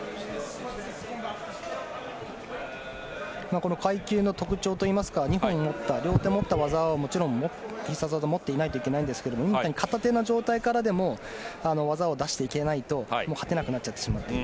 この階級の特徴といいますか２本持った両手持った必殺技を持っていないといけないんですが片手の状態からでも技を出していけないと勝てなくなっちゃってしまっている。